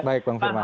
baik bang firman